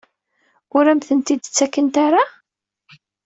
Ur am-ten-id-ttakent ara?